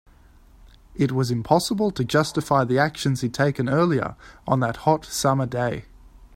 It was impossible to justify the actions he'd taken earlier on that hot, summer day.